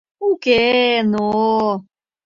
— У-уке, но...